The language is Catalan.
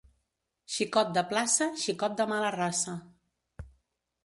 Xicot de plaça, xicot de mala raça.